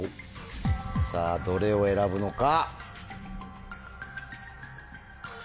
さぁどれを選ぶのか。